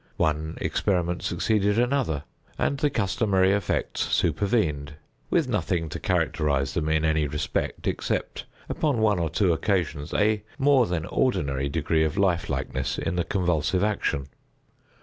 One experiment succeeded another, and the customary effects supervened, with nothing to characterize them in any respect, except, upon one or two occasions, a more than ordinary degree of life likeness in the convulsive action.